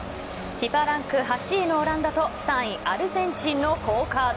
ＦＩＦＡランク８位のオランダと３位、アルゼンチンの好カード。